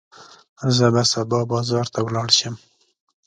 زه به سبا بازار ته ولاړ شم.